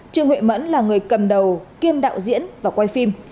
trương huệ mẫn là người cầm đầu kiêm đạo diễn và quay phim